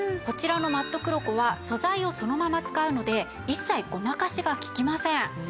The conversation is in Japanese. こちらのマットクロコは素材をそのまま使うので一切ごまかしが利きません。